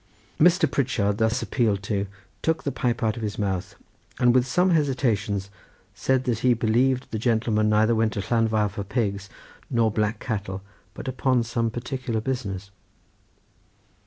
Mr. Pritchard thus appealed to took the pipe out of his mouth, and with some hesitation said that he believed the gentleman neither went to Llanfair for pigs nor black cattle but upon some particular business.